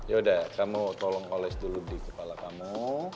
yaudah kamu tolong koles dulu di kepala kamu